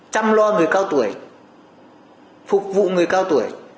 chăm lo người cao tuổi phục vụ người cao tuổi